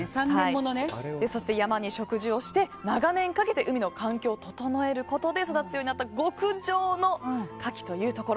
そして、山に植樹をして長年かけて海の環境を整えて育つようになった極上のカキというところ。